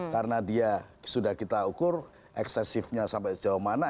karena dia sudah kita ukur eksesifnya sampai sejauh mana